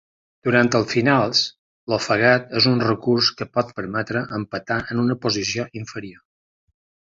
Durant els finals, l'ofegat és un recurs que pot permetre empatar en una posició inferior.